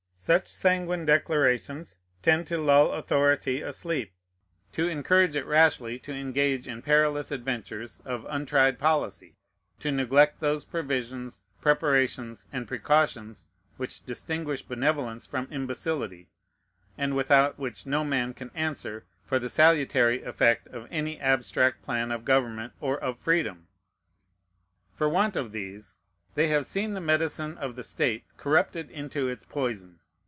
Such sanguine declarations tend to lull authority asleep, to encourage it rashly to engage in perilous adventures of untried policy, to neglect those provisions, preparations, and precautions which distinguish benevolence from imbecility, and without which no man can answer for the salutary effect of any abstract plan of government or of freedom. For want of these, they have seen the medicine of the state corrupted into its poison.